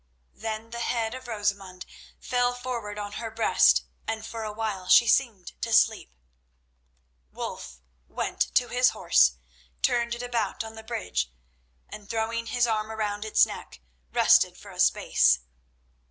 Then the head of Rosamund fell forward on her breast, and for a while she seemed to sleep. Wulf went to his horse, turned it about on the bridge, and throwing his arm around its neck, rested for a space.